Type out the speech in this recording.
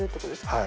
はい。